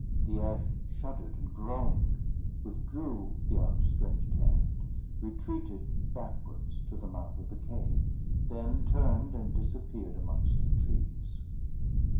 The Ash shuddered and groaned, withdrew the outstretched hand, retreated backwards to the mouth of the cave, then turned and disappeared amongst the trees.